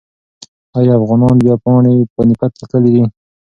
ایا افغانان بیا پاني پت ته تللي دي؟